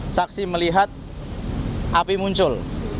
saksi melihat api muncul